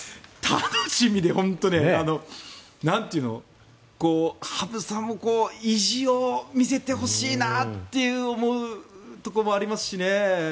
本当に楽しみでなんというか羽生さんも意地を見せてほしいなって思うところもありますしね。